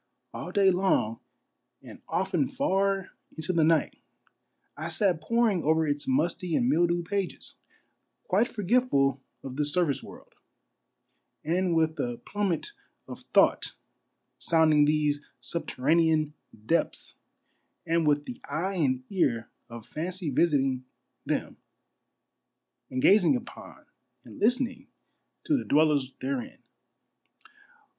■ All day long, and often far into the night, I sat poring over its musty and mildewed pages, quite forgetful of this surface world, and with the plum met of thought sounding these subterranean depths, and with the eye and ear of fancy visiting them, and gazing upon and listening to the dwellers therein.